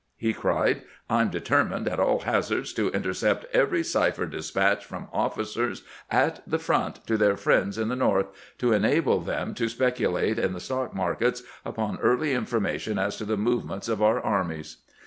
' He cried :' I 'm determined, at all hazards, to in tercept every cipher despatch from officers at the front to their friends in the North, to enable them to specu late in the stock markets upon early information as to SENATOR NESMITH VISITS GRANT 359 the movements of our armies.'